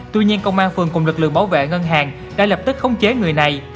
tuy nhiên công an phường cùng lực lượng bảo vệ ngân hàng đã lập tức khống chế người này